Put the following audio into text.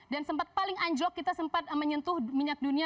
dan sempat paling anjlok kita sempat menyentuh minyak dunia